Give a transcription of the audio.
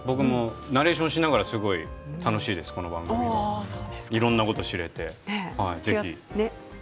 ナレーションしながら楽しいです、この番組はいろいろなことを知ることができて。